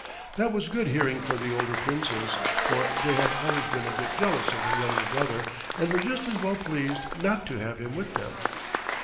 That was good hearing for the older Princes, for they had always been a bit jealous of their younger brother and were just as well pleased not to have him with them.